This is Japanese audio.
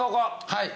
はい。